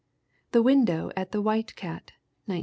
The Window at the White Cat, 1910.